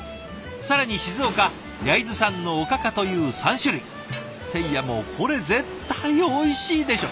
更に静岡・焼津産のおかかという３種類。っていやもうこれ絶対おいしいでしょ！